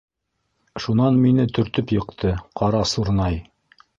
Шунан мине төртөп йыҡты, ҡара сурнай.